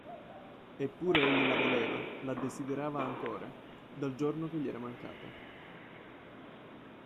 Eppure egli la voleva, la desiderava ancora: dal giorno che gli era mancata.